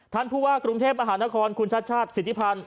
ท่านผู้ว่ากรุงเทพมหานครคุณชาติชาติสิทธิพันธ์